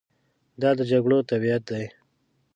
دا د جګړو طبیعت دی.